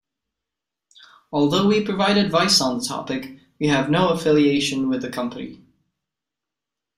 Although we provide advice on the topic, we have no affiliation with the company.